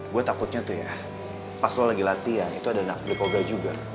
gue takutnya tuh ya pas lo lagi latihan itu ada nak blek kobra juga